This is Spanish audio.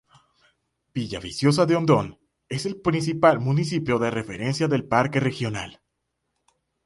Villaviciosa de Odón es el principal municipio de referencia del Parque Regional.